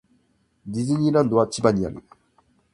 ディズニーランドは千葉にある